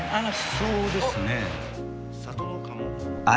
そうですね。